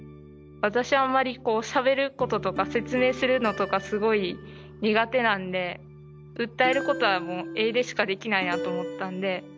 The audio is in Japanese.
私はあんまりこうしゃべることとか説明するのとかすごい苦手なんで訴えることはもう絵でしかできないなと思ったんで。